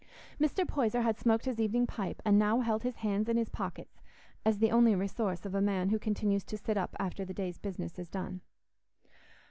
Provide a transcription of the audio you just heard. Mr. Poyser had smoked his evening pipe, and now held his hands in his pockets, as the only resource of a man who continues to sit up after the day's business is done.